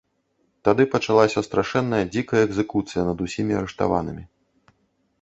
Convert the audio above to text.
Тады пачалася страшэнная дзікая экзекуцыя над усімі арыштаванымі.